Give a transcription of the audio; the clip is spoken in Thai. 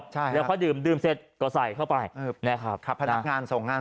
ใช่แล้วพอดื่มดื่มเสร็จก็ใส่เข้าไปนะครับครับพนักงานส่งงาน